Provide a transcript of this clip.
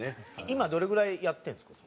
今どれぐらいやってるんですか？